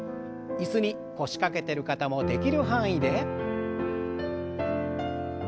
椅子に腰掛けてる方もできる範囲で。